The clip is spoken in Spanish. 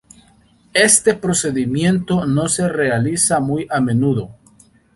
Este procedimiento no se realiza muy a menudo.